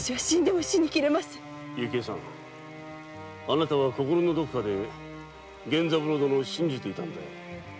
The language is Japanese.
雪江さんあなたは心のどこかで源三郎殿を信じていたんだよ。